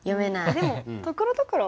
でもところどころ。